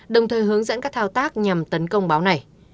đồng thời hướng dẫn các thao tác nhằm tấn công báo này